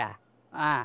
ああ。